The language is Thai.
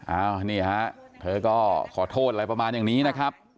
อ้าวนี่ฮะเธอก็ขอโทษอะไรประมาณอย่างนี้นะครับ